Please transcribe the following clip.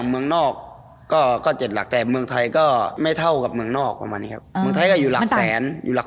ก็เมืองนอกก็เจ็ดหลักแต่เมืองไทยก็ไม่เท่ากับเมืองนอกแบบนี้ครับเมืองไทยก็อยู่หลักแสนครับ